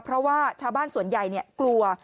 เพราะว่าชาวบ้านส่วนใหญ่กลัว